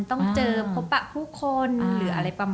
ต้องเจอพบผู้คนหรืออะไรประมาณนี้ค่ะ